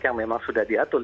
yang memang sudah diatur